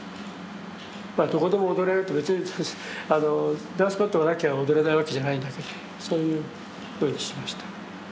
まあどこでも踊れるって別にあのダンスマットがなきゃ踊れないわけじゃないんだけどそういうふうにしました。